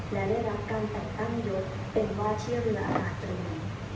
และได้รับการแต่งตั้งยศเป็นว่าเที่ยวเวลาอาตรี